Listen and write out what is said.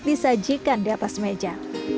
disajikan di atas meja